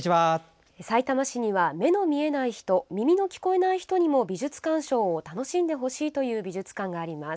さいたま市には目の見えない人耳の聞こえない人にも美術鑑賞を楽しんでほしいという美術館があります。